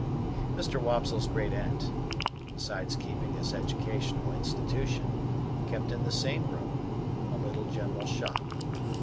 Mr. Wopsle's great aunt, besides keeping this Educational Institution, kept in the same room—a little general shop.